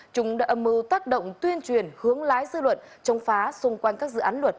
chúng đã âm mưu tác động tuyên truyền hướng lái dư luận chống phá xung quanh các dự án luật